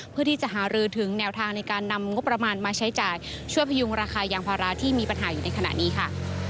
เพื่อที่จะหารือถึงแนวทางในการนำงบประมาณมาใช้จ่ายช่วยพยุงราคายางพาราที่มีปัญหาอยู่ในขณะนี้ค่ะ